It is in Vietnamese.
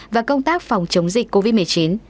và công tác phòng chống dịch covid một mươi chín